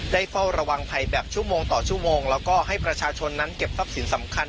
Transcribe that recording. เฝ้าระวังภัยแบบชั่วโมงต่อชั่วโมงแล้วก็ให้ประชาชนนั้นเก็บทรัพย์สินสำคัญ